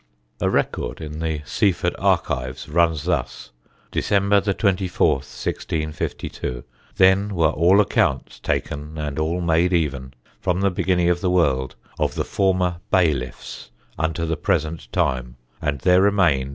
A record in the Seaford archives runs thus: "Dec. 24, 1652. Then were all accounts taken and all made even, from the beginning of ye world, of the former Bayliffes unto the present time, and there remained